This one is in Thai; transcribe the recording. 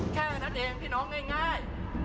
แค่นั้นเองพี่น้องง่าย